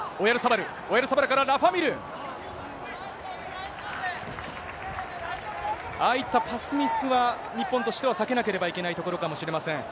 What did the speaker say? オヤルサバル、ああいったパスミスは、日本としては避けなければいけないところかもしれません。